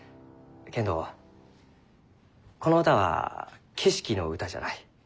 けんどこの歌は景色の歌じゃない。